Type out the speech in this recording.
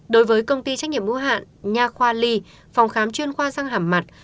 đối với công ty trách nhiệm mưu hạn nha khoa ly phòng khám chuyên khoa răng hẳm mặt